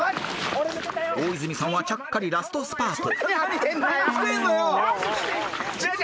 ［大泉さんはちゃっかりラストスパート］